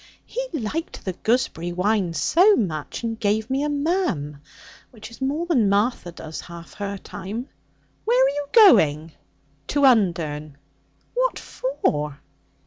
He liked the gooseberry wine so much, and gave me a "ma'am," which is more than Martha does half her time. Where are you going?' 'To Undern.' 'What for?'